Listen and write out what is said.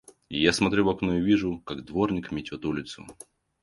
Я смотрю в окно и вижу, как дворник метет улицу.